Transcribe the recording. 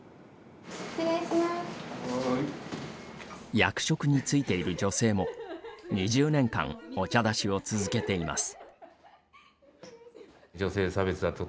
役職に就いている女性も２０年間、お茶出しを続けています。